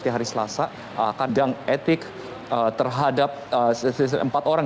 di hari selasa kadang etik terhadap empat orang